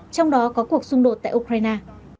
trong đó có cuộc xung đột tại ukraine